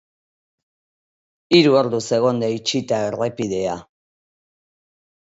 Hiru orduz egon da itxita errepidea.